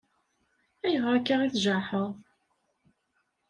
Ayɣer akka i tjaḥeḍ?